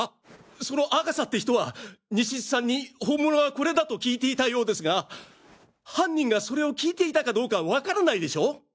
その阿笠って人は西津さんに「本物はコレだ」と聞いていたようですが犯人がそれを聞いていたかどうかわからないでしょ？